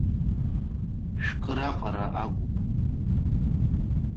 Шәкы раҟара агуп.